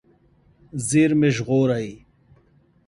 زېرمې ژغورئ.